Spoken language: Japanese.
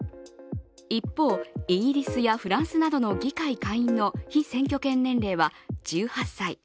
一方、イギリスやフランスなどの議会下院の被選挙権年齢は１８歳。